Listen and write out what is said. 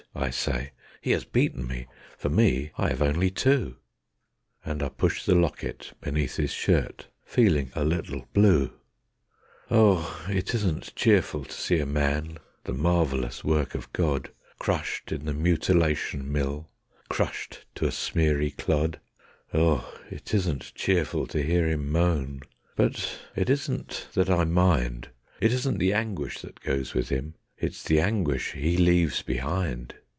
I say. "He has beaten me; for me, I have only two," And I push the locket beneath his shirt, feeling a little blue. Oh, it isn't cheerful to see a man, the marvellous work of God, Crushed in the mutilation mill, crushed to a smeary clod; Oh, it isn't cheerful to hear him moan; but it isn't that I mind, It isn't the anguish that goes with him, it's the anguish he leaves behind.